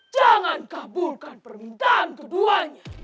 jangan kabulkan permintaan keduanya